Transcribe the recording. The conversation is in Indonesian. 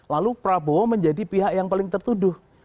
lalu prabowo menjadi pihak yang paling tertuduh